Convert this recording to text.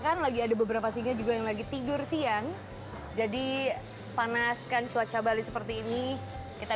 kan lagi ada beberapa sinyal juga yang lagi tidur siang jadi panaskan cuaca bali seperti ini kita